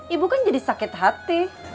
ibu kan jadi sakit hati